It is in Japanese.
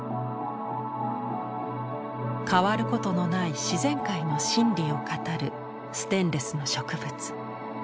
変わることのない自然界の真理を語るステンレスの植物。